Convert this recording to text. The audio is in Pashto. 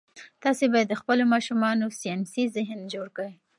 تاسي باید د خپلو ماشومانو ساینسي ذهن جوړ کړئ.